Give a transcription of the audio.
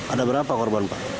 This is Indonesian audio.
ada berapa korban